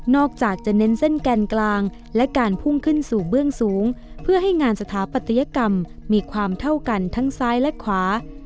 จากจะเน้นเส้นแกนกลางและการพุ่งขึ้นสู่เบื้องสูงเพื่อให้งานสถาปัตยกรรมมีความเท่ากันทั้งซ้ายและขวา